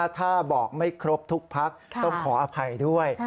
ถ้าบอกไม่ครบทุกพักต้องขออภัยด้วย